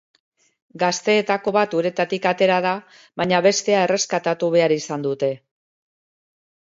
Gazteetako bat uretatik atera da, baina bestea erreskatatu behar izan dute.